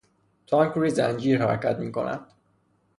تانک روی زنجیر حرکت میکند.